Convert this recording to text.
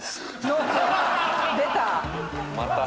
出た！